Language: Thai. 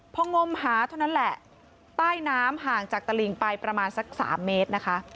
พองมหาเท่านั้นแหละใต้น้ำห่างจากตลิงไปประมาณสัก๓เมตรนะคะ